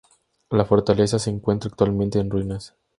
La fortaleza se encuentra actualmente en ruinas.